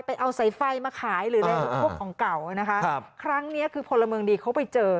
ไปเอาไฟไฟมาขายหรืออะไรพวกของเก่านะคะครั้งนี้คือพลเมืองดีเขาไปเจอ